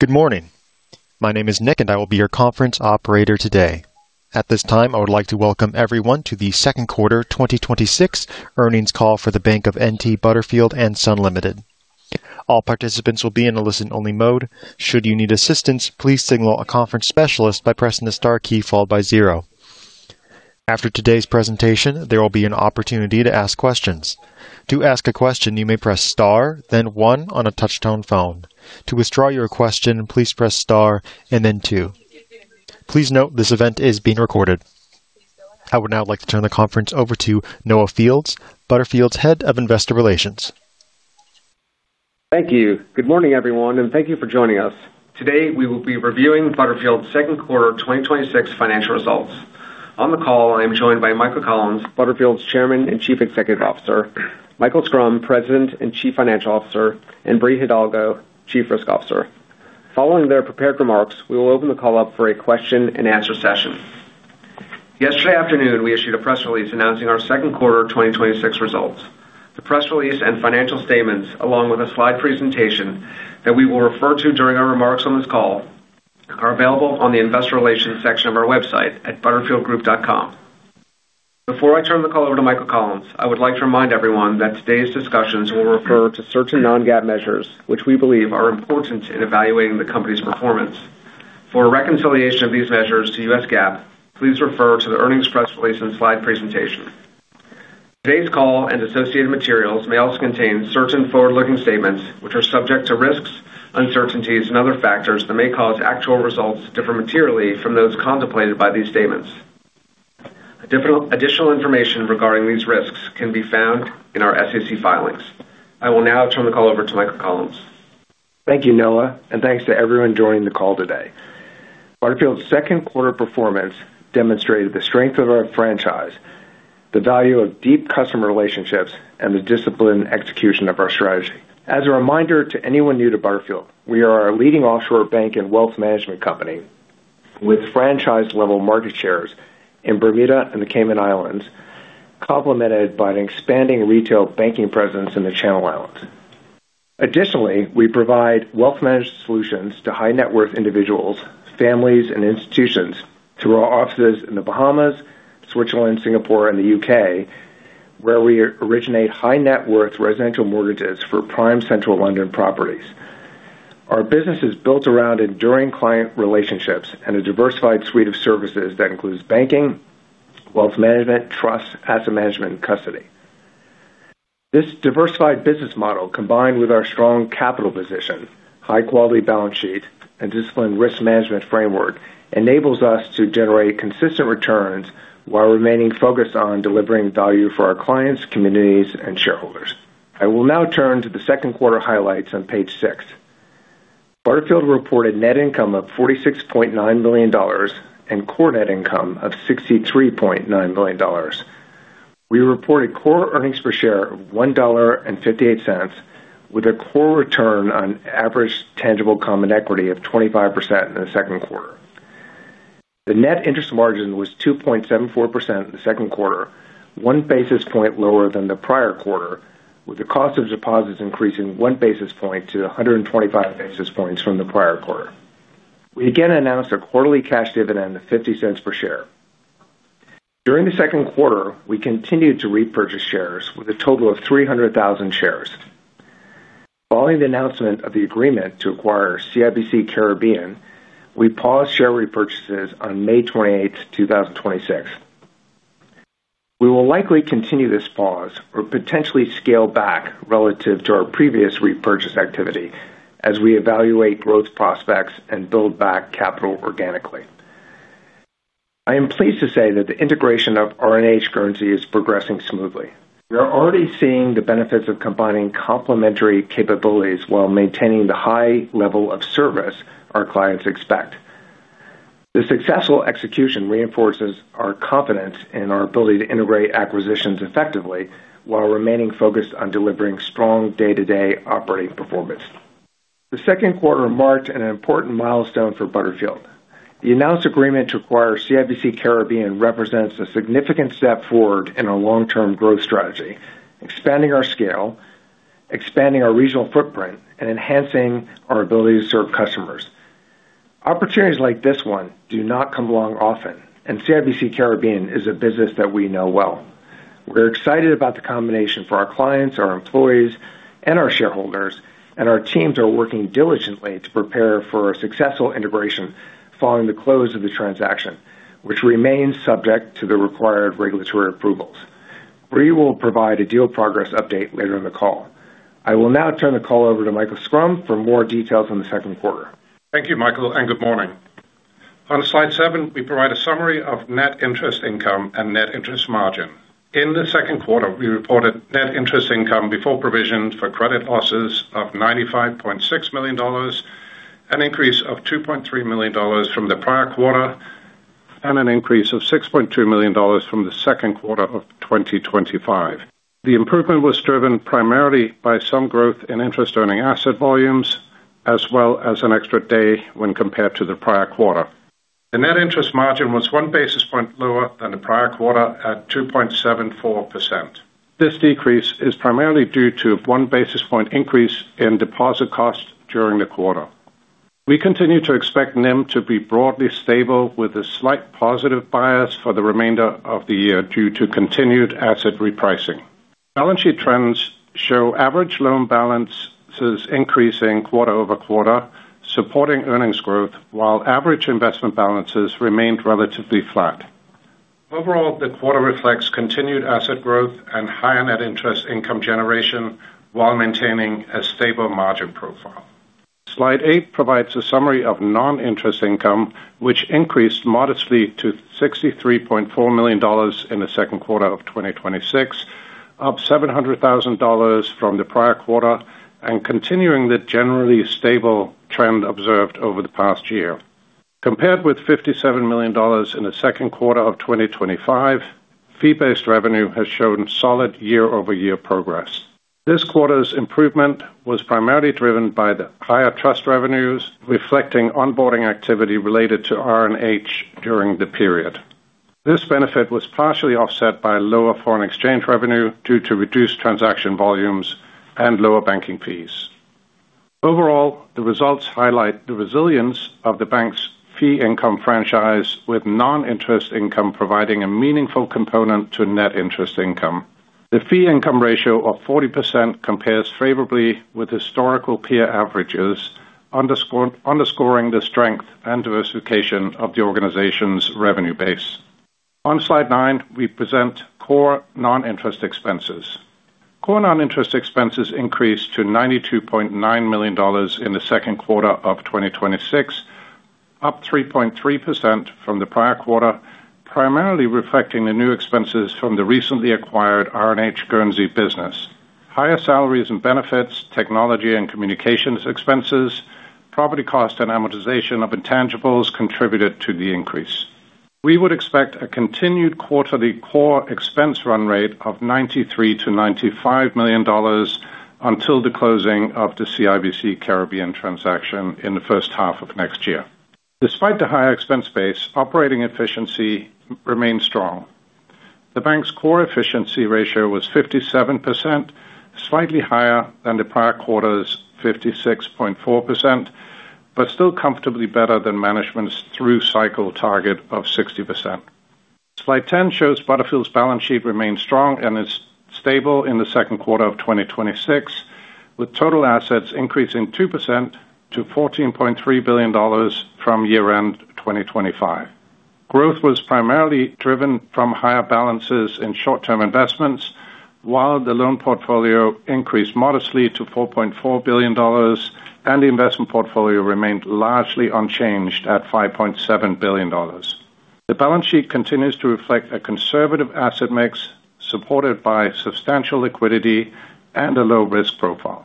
Good morning. My name is Nick and I will be your conference operator today. At this time, I would like to welcome everyone to the second quarter 2026 earnings call for The Bank of N.T. Butterfield & Son Limited. All participants will be in a listen-only mode. Should you need assistance, please signal a conference specialist by pressing the star key, followed by zero. After today's presentation, there will be an opportunity to ask questions. To ask a question, you may press star then one on a touch-tone phone. To withdraw your question, please press star and then two. Please note, this event is being recorded. I would now like to turn the conference over to Noah Fields, Butterfield's Head of Investor Relations. Thank you. Good morning, everyone, and thank you for joining us. Today, we will be reviewing Butterfield's second quarter 2026 financial results. On the call, I'm joined by Michael Collins, Butterfield's Chairman and Chief Executive Officer, Michael Schrum, President and Chief Financial Officer, and Bri Hidalgo, Chief Risk Officer. Following their prepared remarks, we will open the call up for a question and answer session. Yesterday afternoon, we issued a press release announcing our second quarter 2026 results. The press release and financial statements, along with a slide presentation that we will refer to during our remarks on this call, are available on the investor relations section of our website at butterfieldgroup.com. Before I turn the call over to Michael Collins, I would like to remind everyone that today's discussions will refer to certain non-GAAP measures, which we believe are important in evaluating the company's performance. For a reconciliation of these measures to U.S. GAAP, please refer to the earnings press release and slide presentation. Today's call and associated materials may also contain certain forward-looking statements, which are subject to risks, uncertainties, and other factors that may cause actual results to differ materially from those contemplated by these statements. Additional information regarding these risks can be found in our SEC filings. I will now turn the call over to Michael Collins. Thank you, Noah, and thanks to everyone joining the call today. Butterfield's second quarter performance demonstrated the strength of our franchise, the value of deep customer relationships, and the disciplined execution of our strategy. As a reminder to anyone new to Butterfield, we are a leading offshore bank and wealth management company with franchise-level market shares in Bermuda and the Cayman Islands, complemented by an expanding retail banking presence in the Channel Islands. Additionally, we provide wealth management solutions to high-net-worth individuals, families, and institutions through our offices in the Bahamas, Switzerland, Singapore, and the U.K., where we originate high-net-worth residential mortgages for prime central London properties. Our business is built around enduring client relationships and a diversified suite of services that includes banking, wealth management, trust, asset management, and custody. This diversified business model, combined with our strong capital position, high-quality balance sheet, and disciplined risk management framework, enables us to generate consistent returns while remaining focused on delivering value for our clients, communities, and shareholders. I will now turn to the second quarter highlights on page six. Butterfield reported net income of $46.9 million and core net income of $63.9 million. We reported core earnings per share of $1.58, with a core return on average tangible common equity of 25% in the second quarter. The net interest margin was 2.74% in the second quarter, one basis point lower than the prior quarter, with the cost of deposits increasing one basis point to 125 basis points from the prior quarter. We again announced a quarterly cash dividend of $0.50 per share. During the second quarter, we continued to repurchase shares with a total of 300,000 shares. Following the announcement of the agreement to acquire CIBC Caribbean, we paused share repurchases on May 28th, 2026. We will likely continue this pause or potentially scale back relative to our previous repurchase activity as we evaluate growth prospects and build back capital organically. I am pleased to say that the integration of R&H Guernsey is progressing smoothly. We are already seeing the benefits of combining complementary capabilities while maintaining the high level of service our clients expect. The successful execution reinforces our confidence in our ability to integrate acquisitions effectively while remaining focused on delivering strong day-to-day operating performance. The second quarter marked an important milestone for Butterfield. The announced agreement to acquire CIBC Caribbean represents a significant step forward in our long-term growth strategy, expanding our scale, expanding our regional footprint, and enhancing our ability to serve customers. Opportunities like this one do not come along often, CIBC Caribbean is a business that we know well. We're excited about the combination for our clients, our employees, and our shareholders, our teams are working diligently to prepare for a successful integration following the close of the transaction, which remains subject to the required regulatory approvals. Bri will provide a deal progress update later in the call. I will now turn the call over to Michael Schrum for more details on the second quarter. Thank you, Michael, good morning. On slide seven, we provide a summary of net interest income and net interest margin. In the second quarter, we reported net interest income before provision for credit losses of $95.6 million, an increase of $2.3 million from the prior quarter, an increase of $6.2 million from the second quarter of 2025. The improvement was driven primarily by some growth in interest-earning asset volumes, as well as an extra day when compared to the prior quarter. The net interest margin was one basis point lower than the prior quarter at 2.74%. This decrease is primarily due to one basis point increase in deposit cost during the quarter. We continue to expect NIM to be broadly stable with a slight positive bias for the remainder of the year due to continued asset repricing. Balance sheet trends show average loan balances increasing quarter-over-quarter, supporting earnings growth while average investment balances remained relatively flat. Overall, the quarter reflects continued asset growth and higher net interest income generation while maintaining a stable margin profile. Slide eight provides a summary of non-interest income, which increased modestly to $63.4 million in the second quarter of 2026, up $700,000 from the prior quarter, and continuing the generally stable trend observed over the past year. Compared with $57 million in the second quarter of 2025, fee-based revenue has shown solid year-over-year progress. This quarter's improvement was primarily driven by the higher trust revenues, reflecting onboarding activity related to R&H during the period. This benefit was partially offset by lower foreign exchange revenue due to reduced transaction volumes and lower banking fees. Overall, the results highlight the resilience of the bank's fee income franchise, with non-interest income providing a meaningful component to net interest income. The fee income ratio of 40% compares favorably with historical peer averages, underscoring the strength and diversification of the organization's revenue base. On Slide nine, we present core non-interest expenses. Core non-interest expenses increased to $92.9 million in the second quarter of 2026, up 3.3% from the prior quarter, primarily reflecting the new expenses from the recently acquired R&H Guernsey business. Higher salaries and benefits, technology and communications expenses, property cost, and amortization of intangibles contributed to the increase. We would expect a continued quarterly core expense run rate of $93 million-$95 million until the closing of the CIBC Caribbean transaction in the first half of next year. Despite the higher expense base, operating efficiency remains strong. The bank's core efficiency ratio was 57%, slightly higher than the prior quarter's 56.4%, but still comfortably better than management's through cycle target of 60%. Slide 10 shows Butterfield's balance sheet remains strong and is stable in the second quarter of 2026, with total assets increasing 2% to $14.3 billion from year-end 2025. Growth was primarily driven from higher balances in short-term investments, while the loan portfolio increased modestly to $4.4 billion, and the investment portfolio remained largely unchanged at $5.7 billion. The balance sheet continues to reflect a conservative asset mix supported by substantial liquidity and a low-risk profile.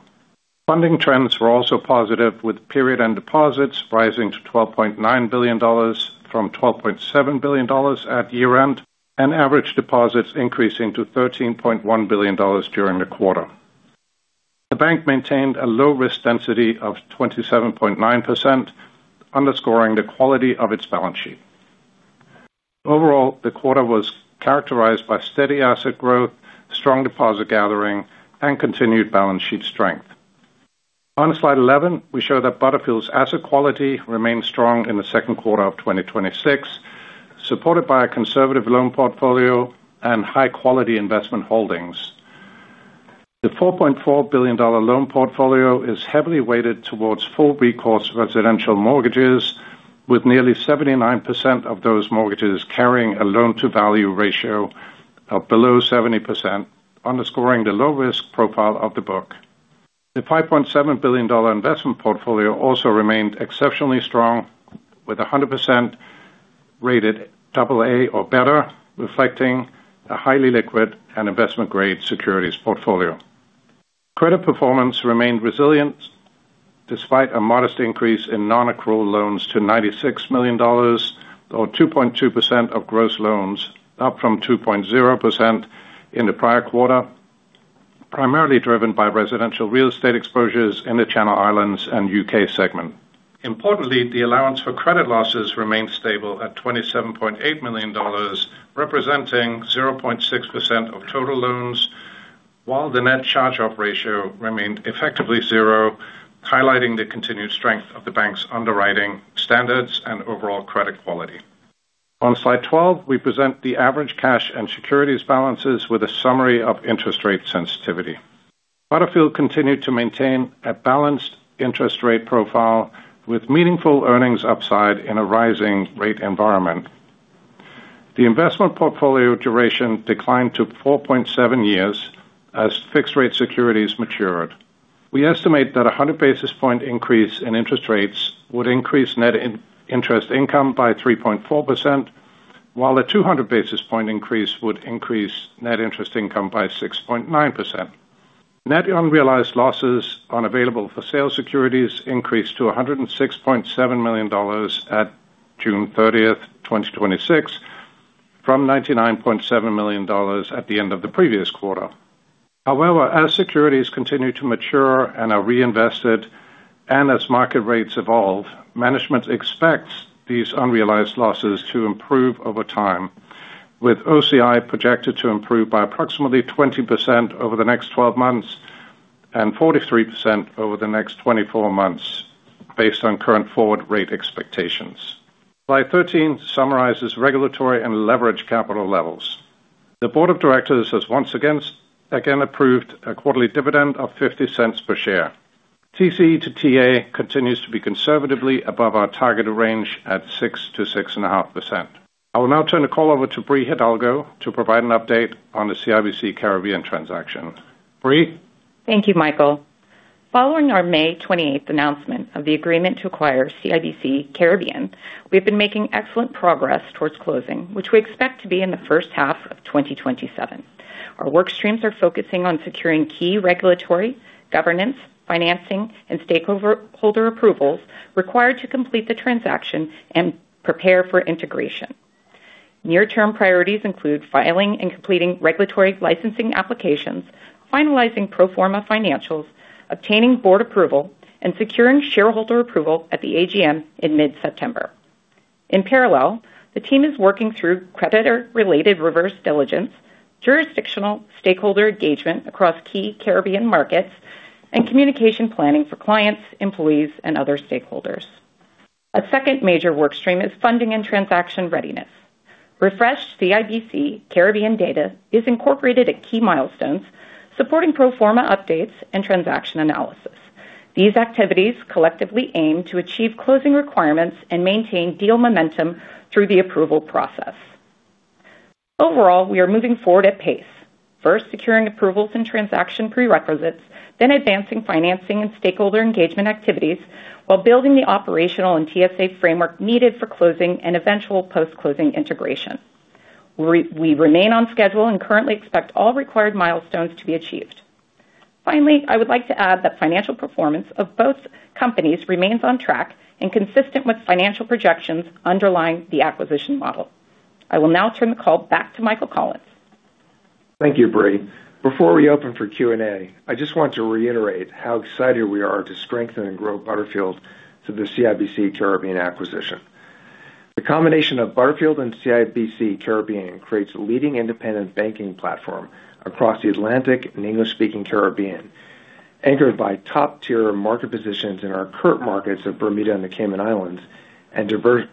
Funding trends were also positive, with period end deposits rising to $12.9 billion from $12.7 billion at year-end, and average deposits increasing to $13.1 billion during the quarter. The bank maintained a low-risk density of 27.9%, underscoring the quality of its balance sheet. Overall, the quarter was characterized by steady asset growth, strong deposit gathering, and continued balance sheet strength. On Slide 11, we show that Butterfield's asset quality remains strong in the second quarter of 2026, supported by a conservative loan portfolio and high-quality investment holdings. The $4.4 billion loan portfolio is heavily weighted towards full recourse residential mortgages, with nearly 79% of those mortgages carrying a loan-to-value ratio of below 70%, underscoring the low-risk profile of the book. The $5.7 billion investment portfolio also remained exceptionally strong with 100% rated double A or better, reflecting a highly liquid and investment-grade securities portfolio. Credit performance remained resilient despite a modest increase in non-accrual loans to $96 million, or 2.2% of gross loans, up from 2.0% in the prior quarter, primarily driven by residential real estate exposures in the Channel Islands and U.K. segment. Importantly, the allowance for credit losses remained stable at $27.8 million, representing 0.6% of total loans, while the net charge-off ratio remained effectively zero, highlighting the continued strength of the bank's underwriting standards and overall credit quality. On Slide 12, we present the average cash and securities balances with a summary of interest rate sensitivity. Butterfield continued to maintain a balanced interest rate profile with meaningful earnings upside in a rising rate environment. The investment portfolio duration declined to 4.7 years as fixed rate securities matured. We estimate that a 100-basis point increase in interest rates would increase net interest income by 3.4%, while a 200-basis point increase would increase net interest income by 6.9%. Net unrealized losses on available for sale securities increased to $106.7 million at June 30th, 2026 from $99.7 million at the end of the previous quarter. As securities continue to mature and are reinvested, and as market rates evolve, management expects these unrealized losses to improve over time, with OCI projected to improve by approximately 20% over the next 12 months and 43% over the next 24 months based on current forward rate expectations. Slide 13 summarizes regulatory and leverage capital levels. The board of directors has once again approved a quarterly dividend of $0.50 per share. TCE to TA continues to be conservatively above our targeted range at 6%-6.5%. I will now turn the call over to Bri Hidalgo to provide an update on the CIBC Caribbean transaction. Bri? Thank you, Michael. Following our May 28th announcement of the agreement to acquire CIBC Caribbean, we've been making excellent progress towards closing, which we expect to be in the first half of 2027. Our work streams are focusing on securing key regulatory, governance, financing, and stakeholder approvals required to complete the transaction and prepare for integration. Near-term priorities include filing and completing regulatory licensing applications, finalizing pro forma financials, obtaining board approval, and securing shareholder approval at the AGM in mid-September. In parallel, the team is working through creditor-related reverse diligence, jurisdictional stakeholder engagement across key Caribbean markets, and communication planning for clients, employees, and other stakeholders. A second major work stream is funding and transaction readiness. Refreshed CIBC Caribbean data is incorporated at key milestones, supporting pro forma updates and transaction analysis. These activities collectively aim to achieve closing requirements and maintain deal momentum through the approval process. Overall, we are moving forward at pace. First, securing approvals and transaction prerequisites, then advancing financing and stakeholder engagement activities while building the operational and TSA framework needed for closing and eventual post-closing integration. We remain on schedule and currently expect all required milestones to be achieved. Finally, I would like to add that financial performance of both companies remains on track and consistent with financial projections underlying the acquisition model. I will now turn the call back to Michael Collins. Thank you, Bri. Before we open for Q&A, I just want to reiterate how excited we are to strengthen and grow Butterfield through the CIBC Caribbean acquisition. The combination of Butterfield and CIBC Caribbean creates a leading independent banking platform across the Atlantic and English-speaking Caribbean, anchored by top-tier market positions in our current markets of Bermuda and the Cayman Islands.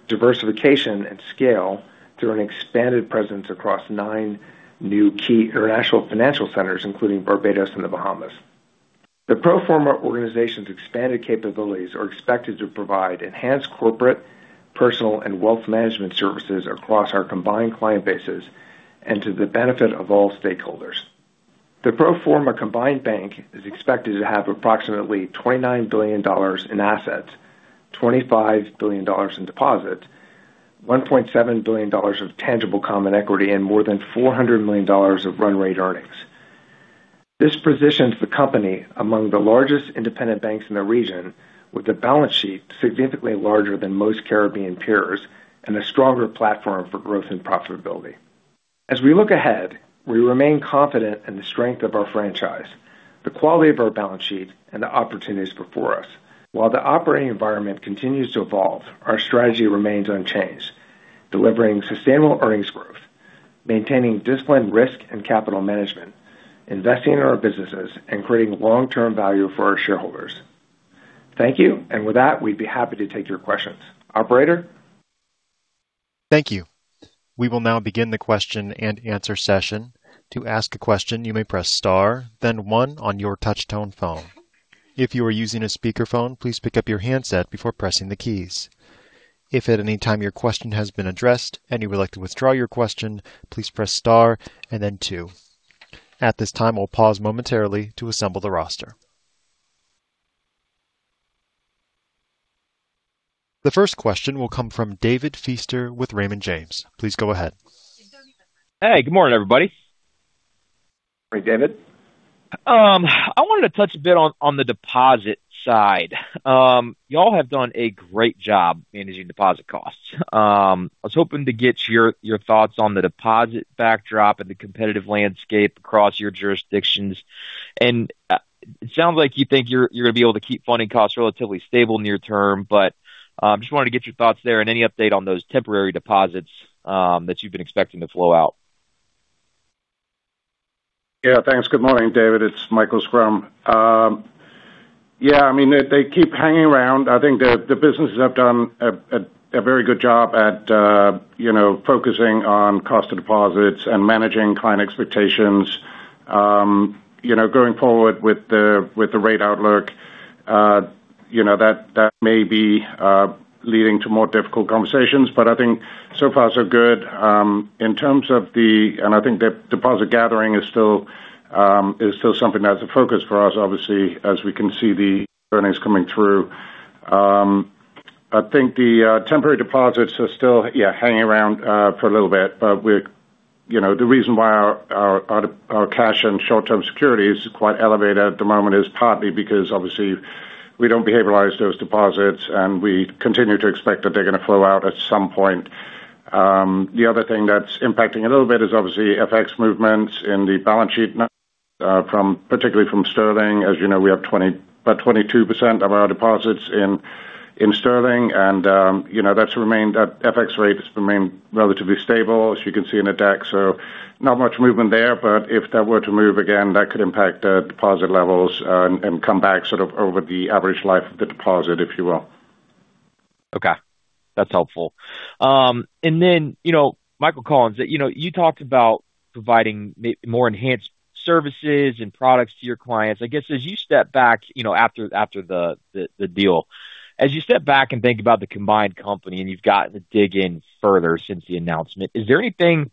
Diversification and scale through an expanded presence across nine new key international financial centers, including Barbados and the Bahamas. The pro forma organization's expanded capabilities are expected to provide enhanced corporate, personal, and wealth management services across our combined client bases and to the benefit of all stakeholders. The pro forma combined bank is expected to have approximately $29 billion in assets, $25 billion in deposits, $1.7 billion of tangible common equity, and more than $400 million of run rate earnings. This positions the company among the largest independent banks in the region, with a balance sheet significantly larger than most Caribbean peers and a stronger platform for growth and profitability. As we look ahead, we remain confident in the strength of our franchise, the quality of our balance sheet, and the opportunities before us. While the operating environment continues to evolve, our strategy remains unchanged, delivering sustainable earnings growth, maintaining disciplined risk and capital management, investing in our businesses, and creating long-term value for our shareholders. Thank you. With that, we'd be happy to take your questions. Operator? Thank you. We will now begin the question-and-answer session. To ask a question, you may press star then one on your touch-tone phone. If you are using a speakerphone, please pick up your handset before pressing the keys. If at any time your question has been addressed and you would like to withdraw your question, please press star and then two. At this time, we'll pause momentarily to assemble the roster. The first question will come from David Feaster with Raymond James. Please go ahead. Hey, good morning, everybody. Morning, David. I wanted to touch a bit on the deposit side. You all have done a great job managing deposit costs. I was hoping to get your thoughts on the deposit backdrop and the competitive landscape across your jurisdictions. It sounds like you think you're going to be able to keep funding costs relatively stable near term, just wanted to get your thoughts there and any update on those temporary deposits that you've been expecting to flow out. Yeah, thanks. Good morning, David. It's Michael Schrum. Yeah, they keep hanging around. I think the businesses have done a very good job at focusing on cost of deposits and managing client expectations. Going forward with the rate outlook that may be leading to more difficult conversations. I think so far so good. I think the deposit gathering is still something that's a focus for us, obviously, as we can see the earnings coming through. I think the temporary deposits are still hanging around for a little bit, but we're. The reason why our cash and short-term securities is quite elevated at the moment is partly because obviously we don't behavioralize those deposits, and we continue to expect that they're going to flow out at some point. The other thing that's impacting a little bit is obviously FX movements in the balance sheet, particularly from sterling. As you know, we have about 22% of our deposits in sterling, and that's remained at FX rates, remained relatively stable as you can see in the deck. Not much movement there, but if that were to move again, that could impact the deposit levels and come back sort of over the average life of the deposit, if you will. Okay. That's helpful. Then, Michael Collins, you talked about providing more enhanced services and products to your clients. I guess, as you step back, after the deal, as you step back and think about the combined company, and you've gotten to dig in further since the announcement, is there anything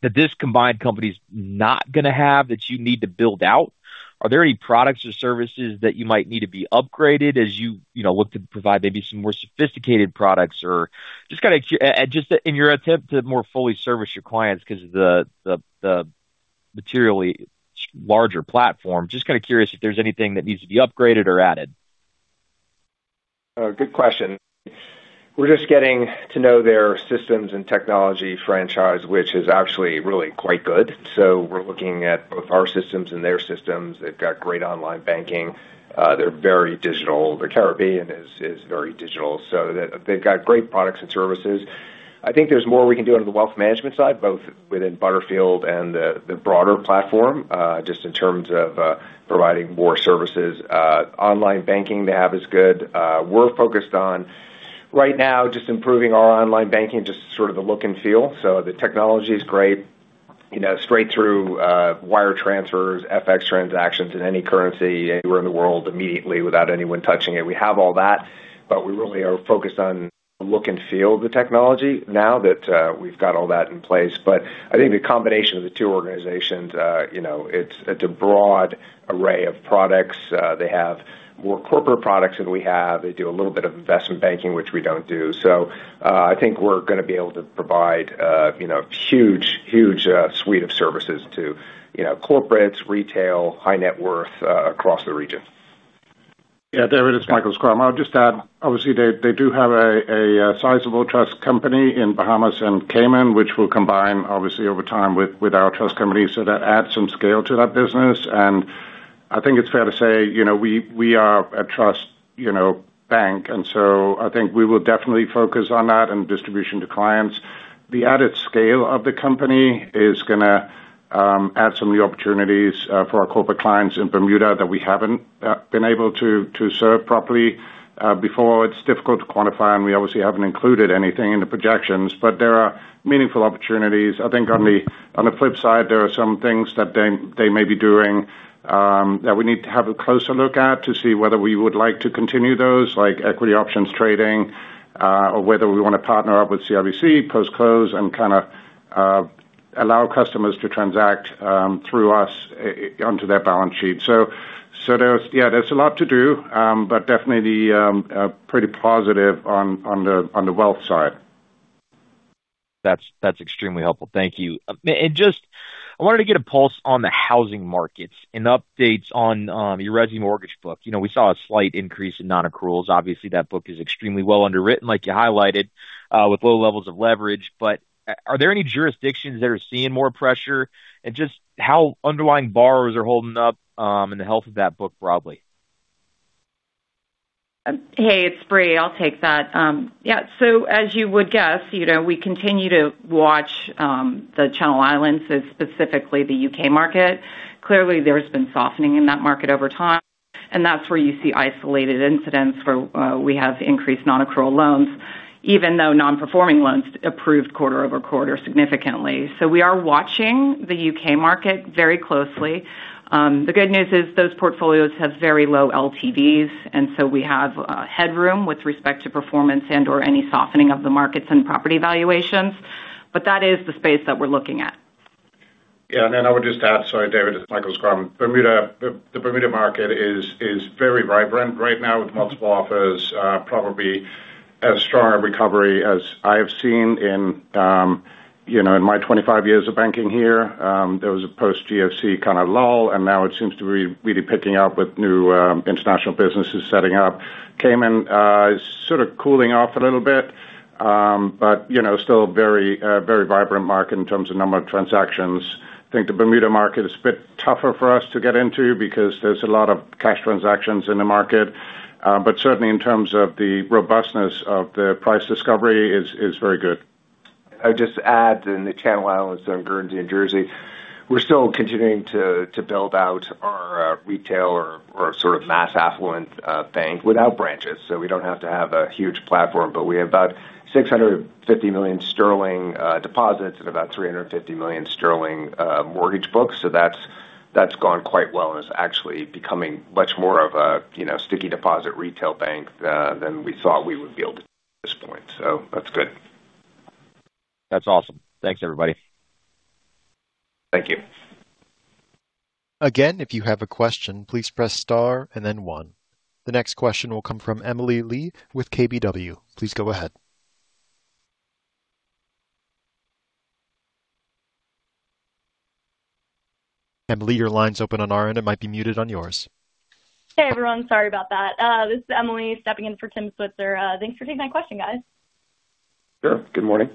that this combined company's not going to have that you need to build out? Are there any products or services that you might need to be upgraded as you look to provide maybe some more sophisticated products? Just in your attempt to more fully service your clients because of the materially larger platform, just kind of curious if there's anything that needs to be upgraded or added. Good question. We're just getting to know their systems and technology franchise, which is actually really quite good. We're looking at both our systems and their systems. They've got great online banking. They're very digital. Their Caribbean is very digital. They've got great products and services. I think there's more we can do on the wealth management side, both within Butterfield and the broader platform, just in terms of providing more services. Online banking they have is good. We're focused on, right now, just improving our online banking, just sort of the look and feel. The technology is great. Straight through wire transfers, FX transactions in any currency anywhere in the world immediately without anyone touching it. We have all that, we really are focused on look and feel of the technology now that we've got all that in place. I think the combination of the two organizations, it's a broad array of products. They have more corporate products than we have. They do a little bit of investment banking, which we don't do. I think we're going to be able to provide huge suite of services to corporates, retail, high net worth, across the region. David, it's Michael Schrum. I would just add, obviously they do have a sizable trust company in Bahamas and Cayman, which we'll combine obviously over time with our trust company. That adds some scale to that business, and I think it's fair to say we are a trust bank, and so I think we will definitely focus on that and distribution to clients. The added scale of the company is going to add some new opportunities for our corporate clients in Bermuda that we haven't been able to serve properly before. It's difficult to quantify, and we obviously haven't included anything in the projections, but there are meaningful opportunities. I think on the flip side, there are some things that they may be doing that we need to have a closer look at to see whether we would like to continue those, like equity options trading, or whether we want to partner up with CIBC post-close and kind of allow customers to transact through us onto their balance sheet. There's a lot to do, but definitely pretty positive on the wealth side. That's extremely helpful. Thank you. I wanted to get a pulse on the housing markets and updates on your resi mortgage book. We saw a slight increase in non-accruals. Obviously, that book is extremely well underwritten, like you highlighted, with low levels of leverage, but are there any jurisdictions that are seeing more pressure? Just how underlying borrowers are holding up and the health of that book broadly. Hey, it's Bri. I'll take that. As you would guess, we continue to watch the Channel Islands, specifically the U.K. market. Clearly, there's been softening in that market over time, and that's where you see isolated incidents where we have increased non-accrual loans, even though non-performing loans improved quarter-over-quarter significantly. We are watching the U.K. market very closely. The good news is those portfolios have very low LTVs, and so we have headroom with respect to performance and or any softening of the markets and property valuations. That is the space that we're looking at. Yeah. I would just add, sorry, David, it's Michael Schrum. The Bermuda market is very vibrant right now with multiple offers, probably as strong a recovery as I have seen in my 25 years of banking here. There was a post GFC kind of lull, and now it seems to be really picking up with new international businesses setting up. Cayman is sort of cooling off a little bit. Still a very vibrant market in terms of number of transactions. I think the Bermuda market is a bit tougher for us to get into because there's a lot of cash transactions in the market. Certainly in terms of the robustness of the price discovery is very good. I'd just add in the Channel Islands and Guernsey and Jersey, we're still continuing to build out our retail or sort of mass affluent bank without branches. We don't have to have a huge platform, but we have about 650 million sterling deposits and about 350 million sterling mortgage books. That's gone quite well, and it's actually becoming much more of a sticky deposit retail bank than we thought we would be able to at this point. That's good. That's awesome. Thanks, everybody. Thank you. Again, if you have a question, please press star and then one. The next question will come from Emily Lee with KBW. Please go ahead. Emily, your line's open on our end. It might be muted on yours. Hey, everyone. Sorry about that. This is Emily stepping in for Tim Switzer. Thanks for taking my question, guys. Sure. Good morning.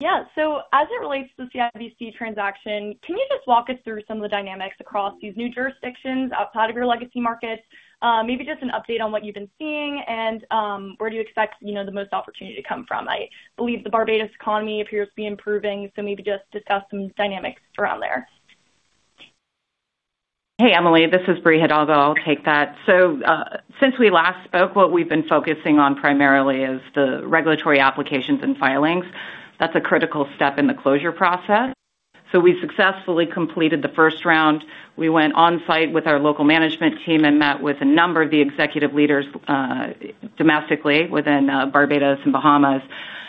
Yeah. As it relates to the CIBC transaction, can you just walk us through some of the dynamics across these new jurisdictions outside of your legacy markets? Maybe just an update on what you've been seeing and where do you expect the most opportunity to come from? I believe the Barbados economy appears to be improving, so maybe just discuss some dynamics around there. Hey, Emily. This is Bri Hidalgo. I'll take that. Since we last spoke, what we've been focusing on primarily is the regulatory applications and filings. That's a critical step in the closure process. We successfully completed the first round. We went on-site with our local management team and met with a number of the executive leaders domestically within Barbados and Bahamas,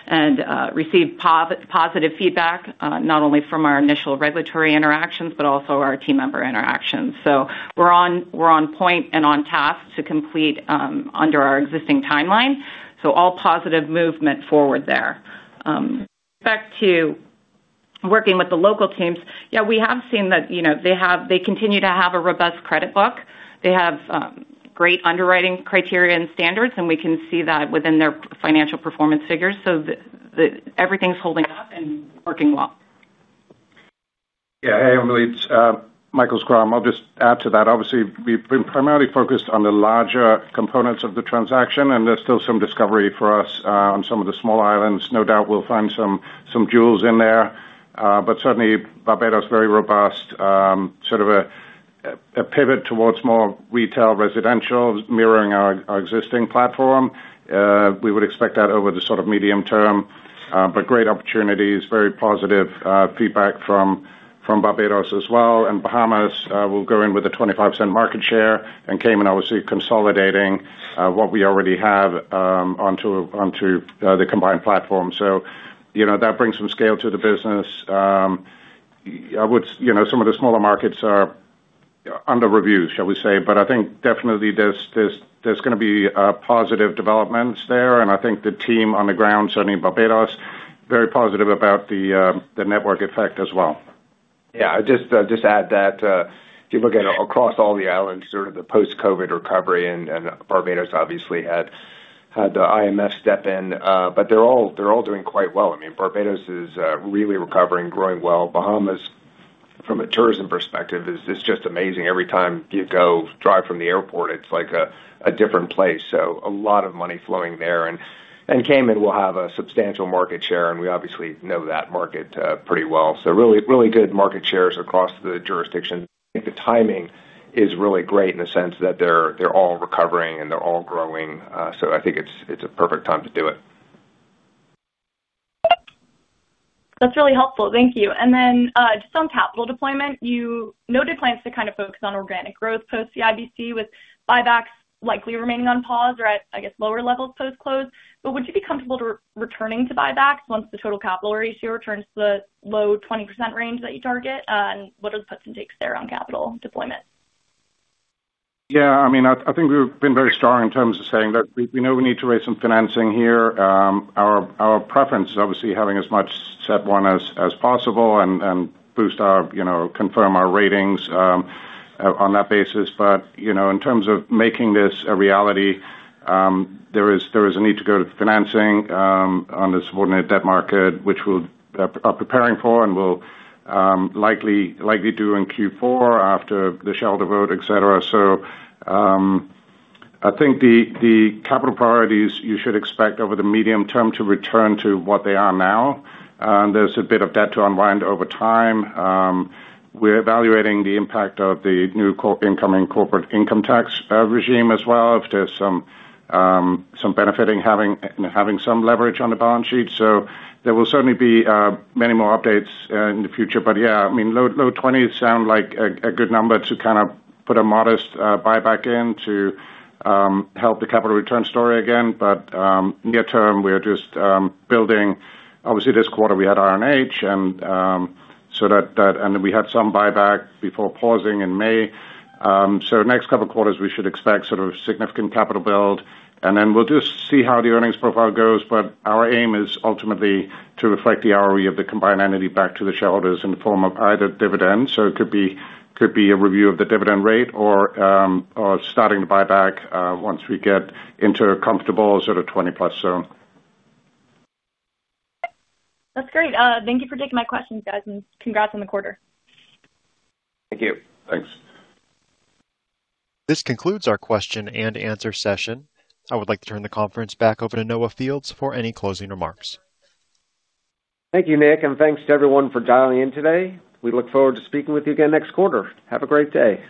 and received positive feedback, not only from our initial regulatory interactions, but also our team member interactions. We're on point and on task to complete under our existing timeline. All positive movement forward there. Back to working with the local teams. We have seen that they continue to have a robust credit book. They have great underwriting criteria and standards, and we can see that within their financial performance figures. Everything's holding up and working well. Hey, Emily. It's Michael Schrum. I'll just add to that. Obviously, we've been primarily focused on the larger components of the transaction, there's still some discovery for us on some of the small islands. No doubt we'll find some jewels in there. Certainly Barbados, very robust sort of a pivot towards more retail, residential mirroring our existing platform. We would expect that over the sort of medium term. Great opportunities, very positive feedback from Barbados as well. Bahamas, we'll go in with a 25% market share, and Cayman, obviously consolidating what we already have onto the combined platform. That brings some scale to the business. Some of the smaller markets are under review, shall we say. I think definitely there's going to be positive developments there, I think the team on the ground, certainly in Barbados, very positive about the network effect as well. I'll just add that if you look at across all the islands, sort of the post-COVID recovery Barbados obviously had the IMF step in. They're all doing quite well. Barbados is really recovering, growing well. Bahamas, from a tourism perspective is just amazing. Every time you go drive from the airport, it's like a different place. A lot of money flowing there. Cayman will have a substantial market share, we obviously know that market pretty well. Really good market shares across the jurisdiction. I think the timing is really great in the sense that they're all recovering and they're all growing. I think it's a perfect time to do it. That's really helpful. Thank you. Then just on capital deployment, you noted plans to kind of focus on organic growth post CIBC with buybacks likely remaining on pause or at, I guess, lower levels post-close. Would you be comfortable returning to buybacks once the total capital ratio returns to the low 20% range that you target? What are the puts and takes there on capital deployment? I think we've been very strong in terms of saying that we know we need to raise some financing here. Our preference is obviously having as much CET1 as possible and boost our, confirm our ratings on that basis. In terms of making this a reality, there is a need to go to financing on the subordinate debt market, which we are preparing for and will likely do in Q4 after the shareholder vote, et cetera. I think the capital priorities you should expect over the medium term to return to what they are now. There's a bit of debt to unwind over time. We're evaluating the impact of the new incoming corporate income tax regime as well. If there's some benefiting having some leverage on the balance sheet. There will certainly be many more updates in the future. Low 20s sound like a good number to kind of put a modest buyback in to help the capital return story again. Near term, we're just building. Obviously this quarter we had R&H and we had some buyback before pausing in May. Next couple quarters, we should expect sort of significant capital build, and then we'll just see how the earnings profile goes. Our aim is ultimately to reflect the ROE of the combined entity back to the shareholders in the form of either dividends, so it could be a review of the dividend rate or starting to buy back once we get into a comfortable sort of 20 plus zone. That's great. Thank you for taking my questions, guys. Congrats on the quarter. Thank you. Thanks. This concludes our question and answer session. I would like to turn the conference back over to Noah Fields for any closing remarks. Thank you, Nick, and thanks to everyone for dialing in today. We look forward to speaking with you again next quarter. Have a great day.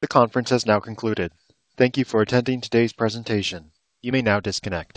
The conference has now concluded. Thank you for attending today's presentation. You may now disconnect.